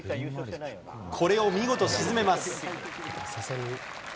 これを見事沈めます。